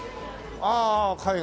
ああ海外